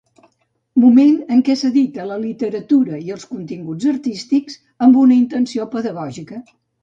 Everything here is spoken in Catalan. Moment en què s'edita la literatura i els continguts artístics amb una intenció pedagògica.